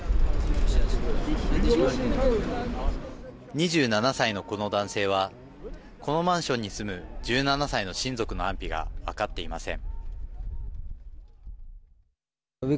２７歳のこの男性はこのマンションに住む１７歳の親族の安否が分かっていません。